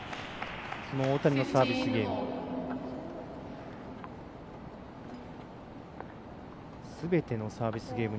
大谷のサービスゲーム。